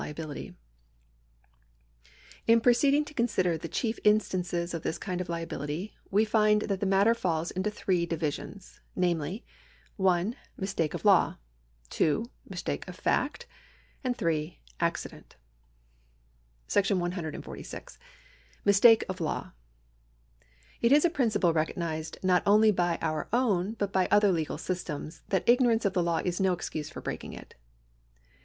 368 LIABILITY (CONTINUED) [§ 145 In proceeding to consider the chief instances of this kind of HabiUty we find that the matter falls into three divisions, namely — (1) Mistake of Law, (2) Mistake of Fact, and (3) Accident. § 140. Mistake of Law. It is a principle recognised not only by our own but by other legal systems that ignorance of the law is no excuse for breaking it.